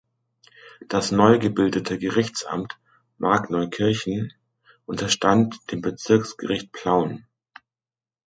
Das neu gebildete Gerichtsamt Markneukirchen unterstand dem Bezirksgericht Plauen.